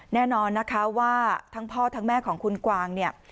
แน่นอนนะคะว่าทั้งพ่อทั้งแม่ของคุณกวางเนี่ย